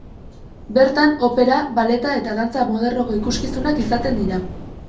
Bertan opera, balleta eta dantza modernoko ikuskizunak izaten dira.